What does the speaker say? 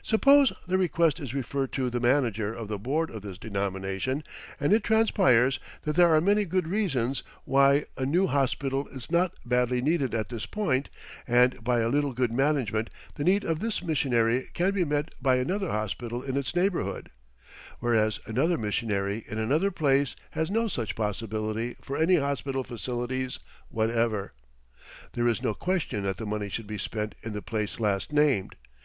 Suppose the request is referred to the manager of the board of this denomination, and it transpires that there are many good reasons why a new hospital is not badly needed at this point, and by a little good management the need of this missionary can be met by another hospital in its neighbourhood; whereas another missionary in another place has no such possibility for any hospital facilities whatever. There is no question that the money should be spent in the place last named.